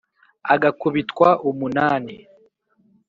Agakubitwa umunani